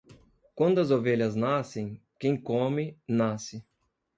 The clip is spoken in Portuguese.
Quando as ovelhas nascem, quem come, nasce.